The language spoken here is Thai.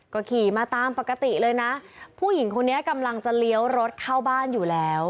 ก็ขี่มาตามปกติเลยนะผู้หญิงคนนี้กำลังจะเลี้ยวรถเข้าบ้านอยู่แล้ว